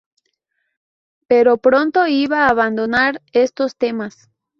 Pero pronto iba a abandonar estos temas.